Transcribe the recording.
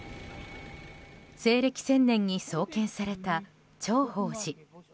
西暦１０００年に創建された長保寺。